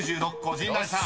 陣内さん］